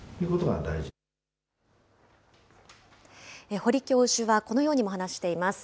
堀教授は、このようにも話しています。